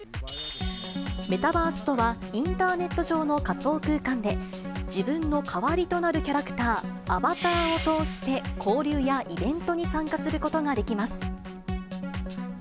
メタバースとは、インターネット上の仮想空間で、自分の代わりとなるキャラクター、アバターを通して、交流やイベントに参加することができます。